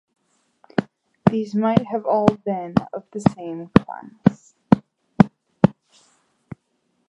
These might all have been of the same class.